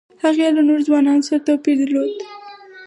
هغې له نورو ځوانانو سره توپیر درلود